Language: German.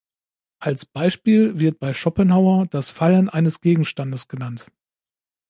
Als Beispiel wird bei Schopenhauer das Fallen eines Gegenstandes genannt.